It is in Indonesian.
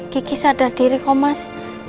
kiki sadar diri kok mas